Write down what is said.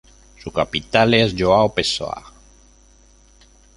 Su capital es João Pessoa.